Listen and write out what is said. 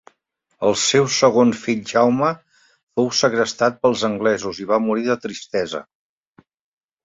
El seu segon fill Jaume fou segrestat pels anglesos i va morir de tristesa.